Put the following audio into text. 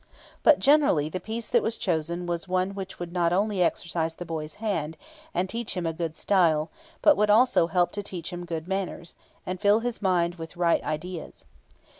But generally the piece that was chosen was one which would not only exercise the boy's hand, and teach him a good style, but would also help to teach him good manners, and fill his mind with right ideas.